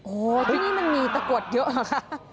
โอ้โหที่นี่มันมีตะกรวดเยอะเหรอคะ